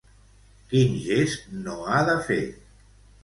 Quin gest no ha de fer?